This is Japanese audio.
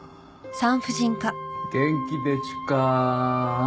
元気でちゅか？